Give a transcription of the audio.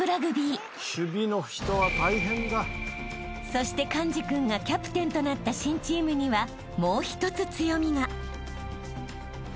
［そして寛治君がキャプテンとなった新チームにはもう一つ強みが］